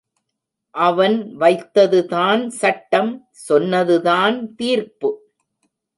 அவன் வைத்ததுதான் சட்டம் சொன்னதுதான் தீர்ப்பு.